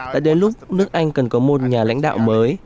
đã đến lúc nước anh cần có một nhà lãnh đạo mới